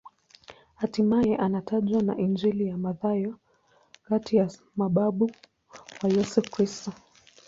Hatimaye anatajwa na Injili ya Mathayo kati ya mababu wa Yesu Kristo.